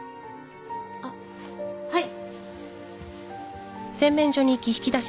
あっはい。